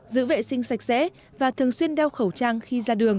giữ vệ sinh sạch sẽ và thường xuyên đeo khẩu trang khi ra đường